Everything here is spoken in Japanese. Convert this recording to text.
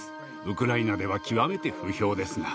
ウクライナでは極めて不評ですが。